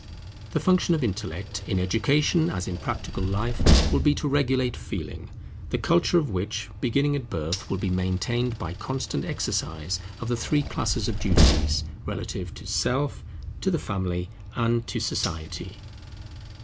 The function of Intellect, in education as in practical life, will be to regulate Feeling; the culture of which, beginning at birth, will be maintained by constant exercise of the three classes of duties relative to Self, to the Family, and to Society.